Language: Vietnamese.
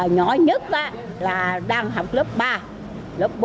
nhỏ nhất là đang học lớp ba lớp bốn